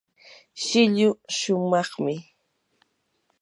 shilluu shumaqmi.